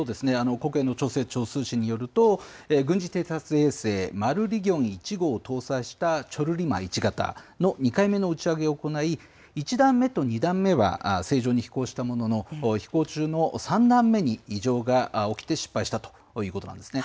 国営の朝鮮中央通信によると、軍事偵察衛星、マルリギョン１号を搭載したチョルリマ１型の２回目の打ち上げを行い、１段目と２段目は正常に飛行したものの、飛行中の３段目に異常が起きて失敗したということなんですね。